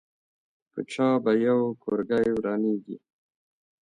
په چا به یو کورګۍ ورانېږي.